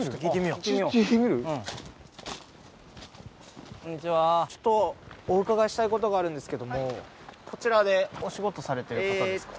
うんちょっとお伺いしたいことがあるんですけどもこちらでお仕事されてる方ですか？